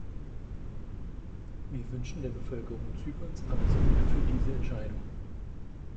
Wir wünschen der Bevölkerung Zyperns alles Gute für diese Entscheidung.